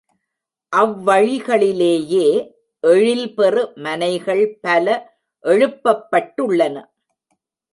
அவ்வழிகளிலேயே எழில்பெறு மனைகள் பல எழுப்பப்பட்டுள்ளன.